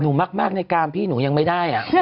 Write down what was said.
หนูมากในกรามพี่หนูยังไม่ได้อะ